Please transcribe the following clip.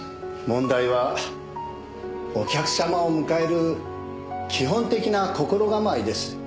問題はお客様を迎える基本的な心構えです。